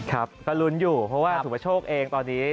ครับก็ลุ้นอยู่เพราะว่าสุประโชคเองตอนนี้